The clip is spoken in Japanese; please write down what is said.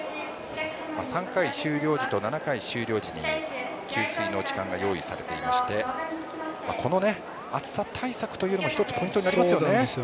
３回終了時と７回終了時に給水の時間が用意されていましてこの暑さ対策というのも一つ、ポイントになります。